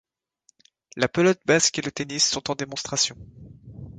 La pelote basque et le tennis sont en démonstration.